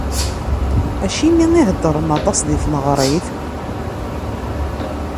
Acimi i heddren aṭas di tneɣrit?